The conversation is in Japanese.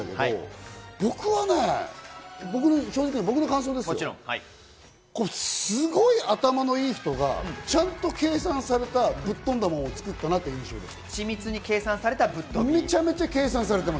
僕はね、正直な僕の感想ですけど、すごい頭のいい人がちゃんと計算された、ぶっ飛んだものを作ったなっていう印象です。